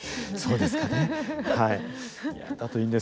そうですかねはい。